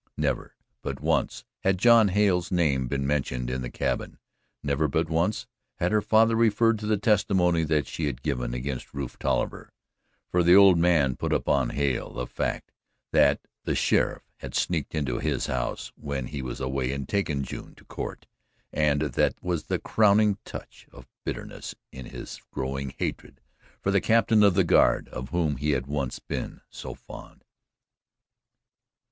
Never, but once, had Hale's name been mentioned in the cabin never, but once, had her father referred to the testimony that she had given against Rufe Tolliver, for the old man put upon Hale the fact that the sheriff had sneaked into his house when he was away and had taken June to Court, and that was the crowning touch of bitterness in his growing hatred for the captain of the guard of whom he had once been so fond.